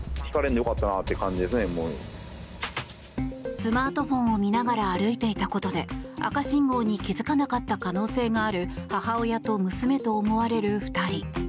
スマートフォンを見ながら歩いていたことで赤信号に気付かなかった可能性がある母親と娘と思われる２人。